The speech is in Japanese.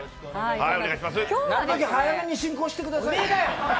なるべく早めに進行してくださいよ。